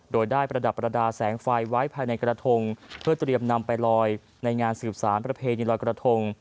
โดยได้ประดับประดาษแสงไฟไว้ภายในกระทงเพื่อเตรียมนำไปลอยในงานสืบสารประเพณีลอยกระทง